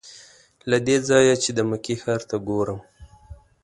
له دې ځایه چې د مکې ښار ته ګورم.